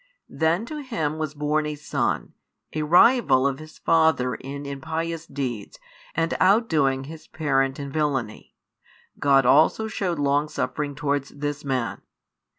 Then to him was born a son, a rival of his father in impious deeds and outdoing his parent in villainy: God also shewed longsuffering towards this man.